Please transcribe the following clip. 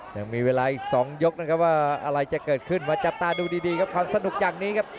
ยังมีเวลาอีก๒ยกนะครับว่าอะไรจะเกิดขึ้นมาจับตาดูดีครับความสนุกอย่างนี้ครับ